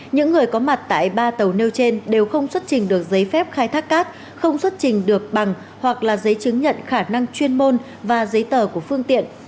những người có mặt tại ba tàu nêu trên đều không xuất trình được giấy phép khai thác cát không xuất trình được bằng hoặc là giấy chứng nhận khả năng chuyên môn và giấy tờ của phương tiện